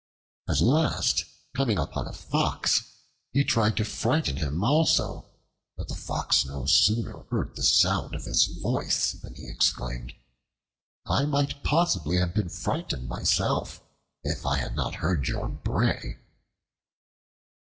At last coming upon a Fox, he tried to frighten him also, but the Fox no sooner heard the sound of his voice than he exclaimed, "I might possibly have been frightened myself, if I had not heard your bray."